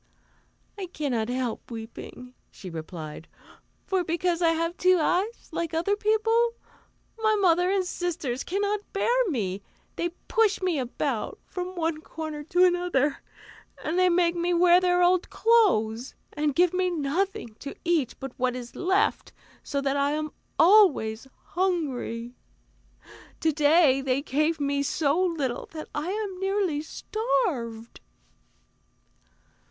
"I cannot help weeping," she replied; "for because I have two eyes, like other people, my mother and sisters cannot bear me; they push me about from one corner to another and make we wear their old clothes, and give me nothing to eat but what is left, so that I am always hungry. To day they gave me so little that I am nearly starved."